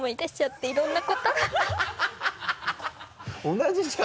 同じじゃん